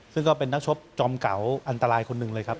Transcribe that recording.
ซึ่งก็เป็นนักชกจอมเก่าอันตรายคนหนึ่งเลยครับ